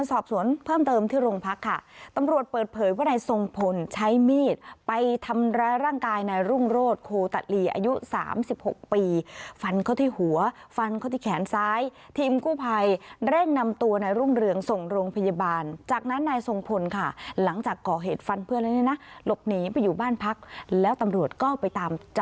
สอบสวนเพิ่มเติมที่โรงพักค่ะตำรวจเปิดเผยว่านายทรงพลใช้มีดไปทำร้ายร่างกายนายรุ่งโรศโคตะลีอายุสามสิบหกปีฟันเขาที่หัวฟันเขาที่แขนซ้ายทีมกู้ภัยเร่งนำตัวนายรุ่งเรืองส่งโรงพยาบาลจากนั้นนายทรงพลค่ะหลังจากก่อเหตุฟันเพื่อนแล้วเนี่ยนะหลบหนีไปอยู่บ้านพักแล้วตำรวจก็ไปตามจ